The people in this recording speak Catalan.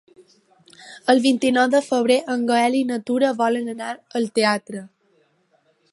El vint-i-nou de febrer en Gaël i na Tura volen anar al teatre.